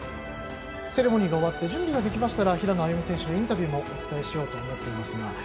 セレモニーが終わって準備ができましたら平野歩夢選手のインタビューもお伝えしようと思います。